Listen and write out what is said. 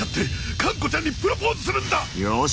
よし！